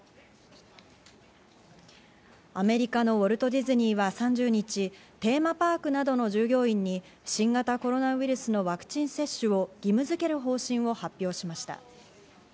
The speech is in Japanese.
アメリカのウォルト・ディズニーは３０日、テーマパークなどの従業員に新型コロナウイルスのワクチン接種を義務づける方針を発表しました。